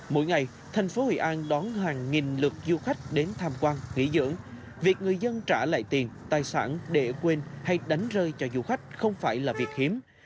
mỗi ngày thành phố hội an đón hàng nghìn lượt du khách đến tham quan nghỉ dưỡng việc người dân trả lại tiền tài sản để quên hay đánh rơi cho du khách không phải là việc hiếm